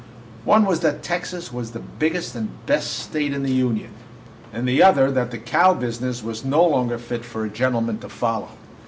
One was that Texas was the biggest and best State in the Union; and the other, that the cow business was no longer fit for a gentleman to follow.